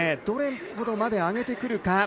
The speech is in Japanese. どれほどまで上げてくるか。